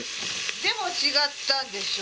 でも違ったんでしょ？